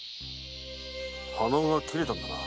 鼻緒が切れたんだな。